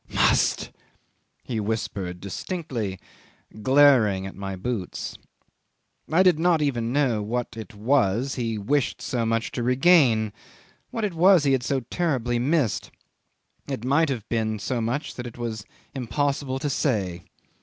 Must!" he whispered distinctly, glaring at my boots. 'I did not even know what it was he wished so much to regain, what it was he had so terribly missed. It might have been so much that it was impossible to say.